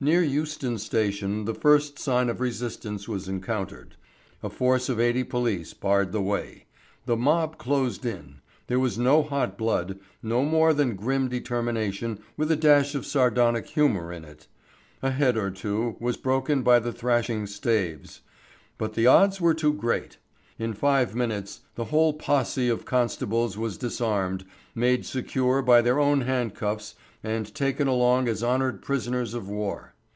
Near Euston Station the first sign of resistance was encountered. A force of eighty police barred the way. The mob closed in. There was no hot blood, no more than grim determination with a dash of sardonic humour in it. A head or two was broken by the thrashing staves, but the odds were too great. In five minutes the whole posse of constables was disarmed, made secure by their own handcuffs and taken along as honoured prisoners of war.